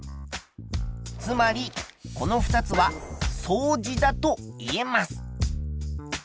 つまりこの２つは相似だといえます。